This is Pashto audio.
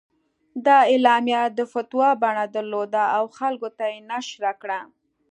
دا اعلامیه د فتوا بڼه درلوده او خلکو ته یې نشر کړه.